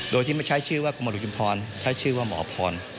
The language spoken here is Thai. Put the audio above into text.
โดยที่ไม่ใช่ชื่อว่าคุณหมอชุมพรใช้ชื่อว่าหมอพร